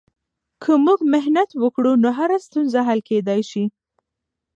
که موږ محنت وکړو، نو هره ستونزه حل کیدای سي.